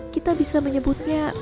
kita bisa menyebutnya